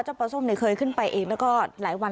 เจ้าปลาส้มเนี่ยเคยขึ้นไปเองแหล่งวัน